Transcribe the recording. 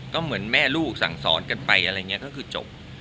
ก็เหมือนแม่ลูกสั่งสอนกันไปอะไรอย่างนี้ก็คือจบ